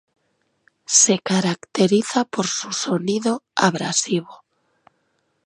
Se caracteriza por su sonido abrasivo.